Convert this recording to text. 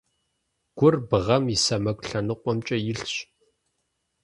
Гур бгъэм и сэмэгу лъэныкъумкӀэ илъщ.